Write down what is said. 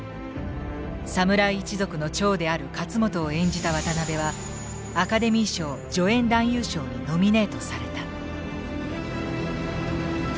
侍一族の長である勝元を演じた渡辺はアカデミー賞助演男優賞にノミネートされた。